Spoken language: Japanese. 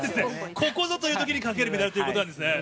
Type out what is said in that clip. ここぞというときにかけるメダルということなんですね。